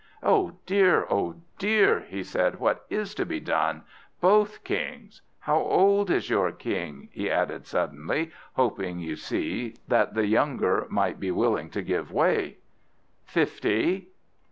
"Oh dear, oh dear," he said, "what is to be done? Both Kings! How old is your King?" he added suddenly, hoping, you see, that the younger might be willing to give way. "Fifty."